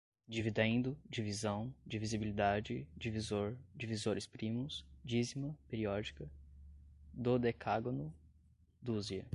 dividendo, divisão, divisibilidade, divisor, divisores primos, dízima periódica, dodecágono, dúzia